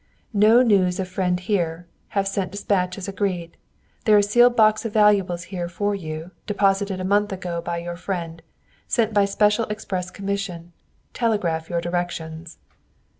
"No news of friend here. Have sent dispatch as agreed. There is sealed box of valuables here for you, deposited a month ago by your friend; sent by special express commission. Telegraph your directions."